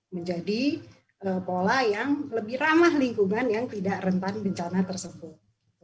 menjadi pola yang lebih ramah lingkungan yang tidak rentan bencana tersebut